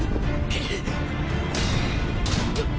くっ！